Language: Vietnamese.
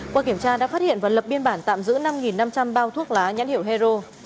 qua kiểm tra đã phát hiện và lập biên bản tạm giữ năm năm trăm linh bao thuốc lá nhãn hiệu hero